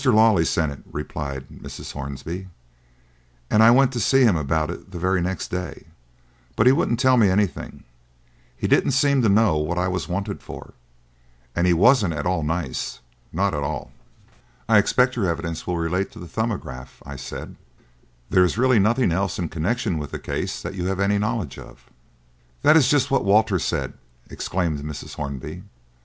Lawley sent it," replied Mrs. Hornby, "and I went to see him about it the very next day, but he wouldn't tell me anything he didn't seem to know what I was wanted for, and he wasn't at all nice not at all." "I expect your evidence will relate to the 'Thumbograph,'" I said. "There is really nothing else in connection with the case that you have any knowledge of." "That is just what Walter said," exclaimed Mrs. Hornby.